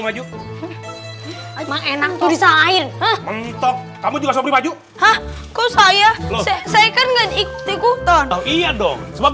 maju enak tulisan lain kamu juga sobi maju hah kok saya saya kan ikut ikutan oh iya dong sebab